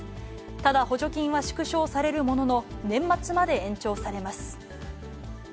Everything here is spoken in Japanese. ただ、補助金は縮小されるものの、年末まで延長されます。